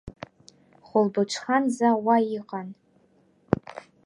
Хәылбыҽханӡа уа иҟан.